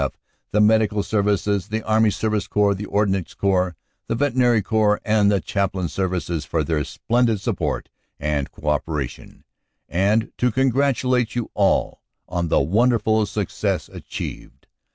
F., the Medical Ser vices, the Army Service Corps, the Ordnance Corps, the Veterinary Corps, and the Chaplain Services, for their splen did support and co operation, and to congratulate you all on the wonderful success achieved.